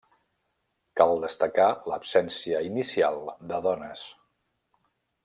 Cal destacar l'absència inicial de dones.